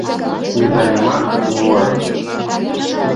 Медалемат уло.